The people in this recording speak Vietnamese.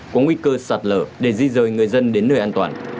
có nguy cơ sạt lở để di rời người dân đến nơi an toàn